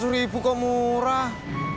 rp empat ratus kok murah